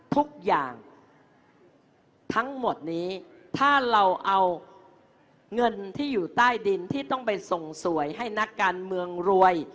ทุกอย่างทั้งหมดนี้ถ้าเราเอาเงินที่อยู่ใต้ดินที่ต้องไปส่งสวยให้นักการเมืองรวย